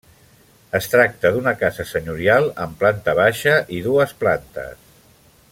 Es tracta d'una casa senyorial, amb planta baixa i dues plantes.